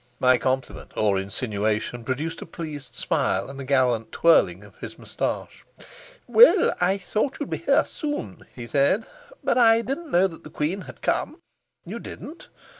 My compliment, or insinuation, produced a pleased smile and a gallant twirling of his moustache. "Well, I thought you'd be here soon," he said, "but I didn't know that the queen had come." "You didn't?